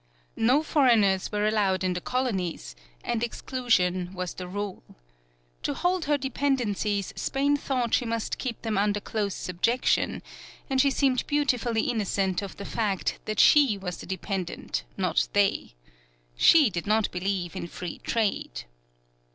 No foreigners were allowed in the colonies, and exclusion was the rule. To hold her dependencies Spain thought she must keep them under close subjection; and she seemed beautifully innocent of the fact that she was the dependent, not they. She did not believe in Free Trade.